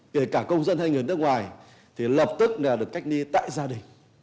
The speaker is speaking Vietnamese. kể cả công dân hay người nước ngoài thì lập tức được cách ly tại gia đình